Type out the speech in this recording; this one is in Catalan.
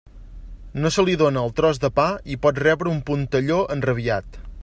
No se li dóna el tros de pa i pot rebre un puntelló enrabiat.